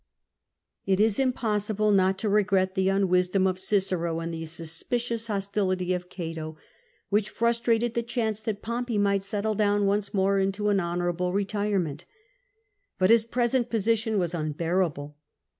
It is impossible not to regret the unwisdom of Cicero and the suspicious hostility of Cato, which frustrated the chance that Pompey might settle down once more into an honourable retirement. Put his present position wag unbearable.